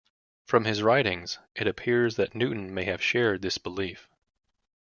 From his writings it appears Newton may have shared this belief.